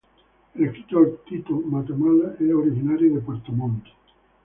El escritor Tito Matamala es originario de Puerto Montt.